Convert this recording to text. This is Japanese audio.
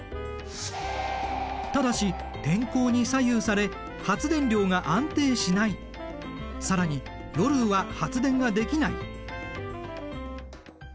ただし天候に左右され発電量が安定しない更に夜は発電ができない。